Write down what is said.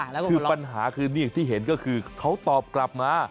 คือปัญหาคือนี่อย่างที่เห็นก็คือเขาตอบกลับมา